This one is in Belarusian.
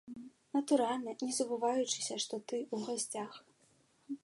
Натуральна, не забываючыся, што ты ў гасцях.